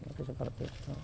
itu seperti itu